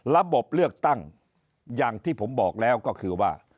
ระบบเลือกตั้งอย่างที่ผมบอกแล้วก็คือว่า